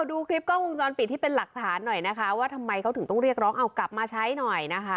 ดูคลิปกล้องวงจรปิดที่เป็นหลักฐานหน่อยนะคะว่าทำไมเขาถึงต้องเรียกร้องเอากลับมาใช้หน่อยนะคะ